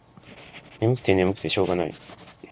ねむくてねむくてしょうがない。